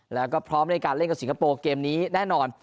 แล้วก็พร้อมในการเล่นกับสิงคโปร์เกมนี้แน่นอน